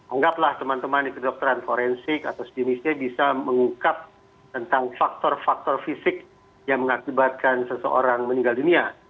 anggaplah teman teman di kedokteran forensik atau sejenisnya bisa mengungkap tentang faktor faktor fisik yang mengakibatkan seseorang meninggal dunia